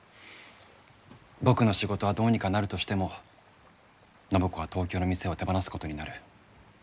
僕の仕事はどうにかなるとしても暢子は東京の店を手放すことになる。